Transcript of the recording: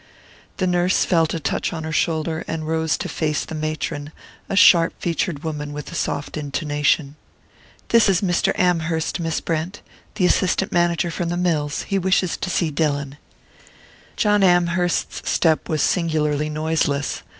The nurse felt a touch on her shoulder, and rose to face the matron, a sharp featured woman with a soft intonation. "This is Mr. Amherst, Miss Brent. The assistant manager from the mills. He wishes to see Dillon." John Amherst's step was singularly noiseless.